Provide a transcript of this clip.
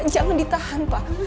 jangan ditahan pak